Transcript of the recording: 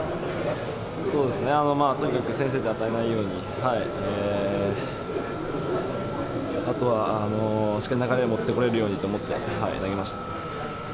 そうですね、とにかく先制打を与えないように、あとはしっかり流れを持ってこれるようにと思って投げました。